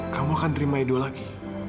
kamu akan terima idol lagi